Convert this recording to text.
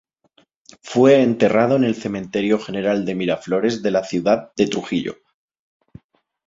Fue enterrado en el Cementerio General de Miraflores de la ciudad de Trujillo.